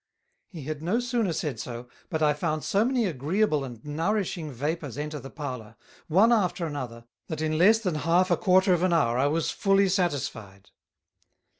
He had no sooner said so, but I found so many agreeable and nourishing Vapours enter the Parlour, one after another, that in less than half a quarter of an Hour I was fully satisfied.